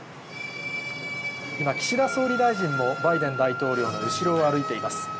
今、岸田総理大臣もバイデン大統領の後ろを歩いています。